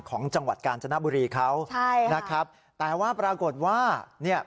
ของจังหวัดกาญจนบุรีเขาใช่นะครับแต่ว่าปรากฏว่าเนี่ย